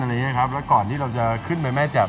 แล้วก็ก่อนที่เราจะขึ้นมาแม่จำ